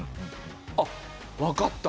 あっ分かった。